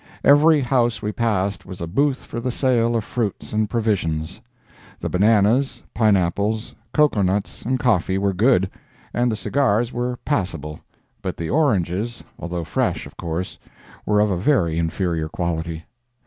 Every house we passed was a booth for the sale of fruits and provisions. The bananas, pine apples, cocoa nuts and coffee were good, and the cigars very passable, but the oranges, although fresh, of course, were of a very inferior quality.